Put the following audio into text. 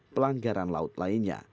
pelanggaran laut lainnya